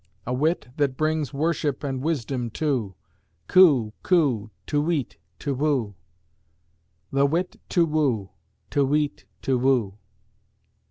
A wit that brings worship and wisdom too! Coo! coo! te weet tu whu The wit to woo te weet tu whu!